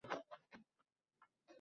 Suriya dengizi